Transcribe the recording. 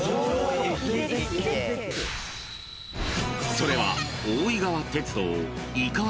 ［それは］